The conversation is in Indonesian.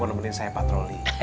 udah kenceng salah lagi